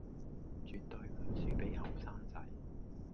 絕對唔輸畀後生仔